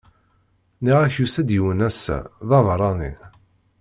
Nniɣ-ak yusa-d yiwen ass-a! d aberrani.